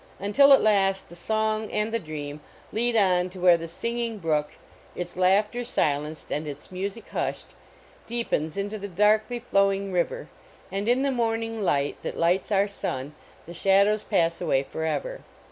Until, at last, the song and the dream lead on to where the singing brook, its laughter silenced and its music hushed, deepens into the darkly flowing river, and in the morning light that lights our sun, the shadows pass away for ever.